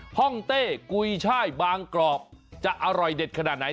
ห้องเต้กุยช่ายบางกรอบจะอร่อยเด็ดขนาดไหน